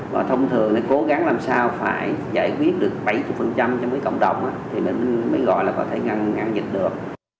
và thông thường thì cố gắng làm sao phải giải quyết được bảy mươi trong cộng đồng thì mới gọi là có thể ngăn dịch được